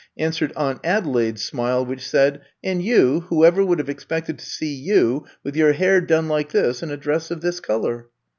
answered Aunt Adelaide's smile, which said, And you, whoever would have expected to see you with your hair done like this and a dress of this color?"